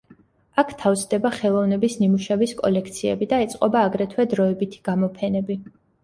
აქ თავსდება ხელოვნების ნიმუშების კოლექციები და ეწყობა აგრეთვე დროებითი გამოფენები.